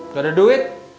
gak ada duit